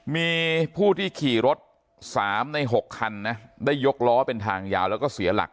มีผู้ที่ขี่รถ๓ใน๖คันนะได้ยกล้อเป็นทางยาวแล้วก็เสียหลัก